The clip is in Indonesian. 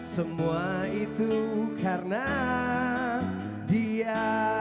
semua itu karena dia